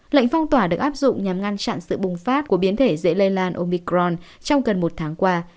lệnh phong tỏa được áp dụng nhằm ngăn chặn sự bùng phát của biến thể dễ lây lan omicron trong gần một tháng qua